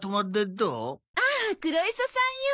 ああ黒磯さんよ。